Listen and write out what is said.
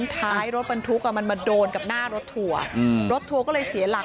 ท้ายรถบรรทุกมันมาโดนกับหน้ารถทัวร์รถทัวร์ก็เลยเสียหลัก